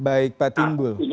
baik pak timbul